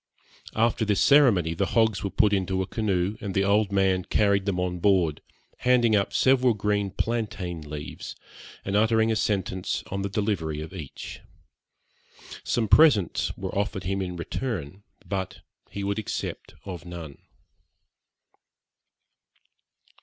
After this ceremony the hogs were put into a canoe and the old man carried them on board, handing up several green plantain leaves, and uttering a sentence on the delivery of each. Some presents were offered him in return, but he would accept of none.